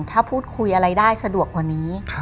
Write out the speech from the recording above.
ถ้าพูดคุยอะไรได้สะดวกกว่านี้